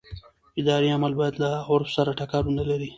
اداري عمل باید له عرف سره ټکر ونه لري.